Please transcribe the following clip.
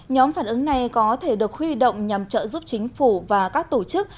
nhóm phản ứng này có thể được huy động nhằm trợ giúp chính phủ và các tổ chức